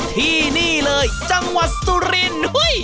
ที่นี่เลยจังหวัดสุรินทร์